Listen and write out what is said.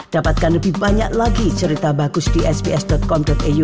dapatkan lebih banyak lagi cerita bagus di sps com iu